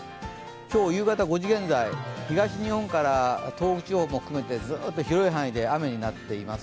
今日夕方５時現在、東日本から東北地方も含めてずっと広い範囲で雨になっています。